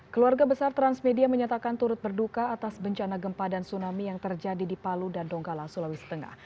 keluarga besar transmedia menyatakan turut berduka atas bencana gempa dan tsunami yang terjadi di palu dan donggala sulawesi tengah